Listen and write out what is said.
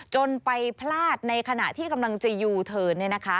จนไปพลาดในขณะที่กำลังจะยูเทิร์น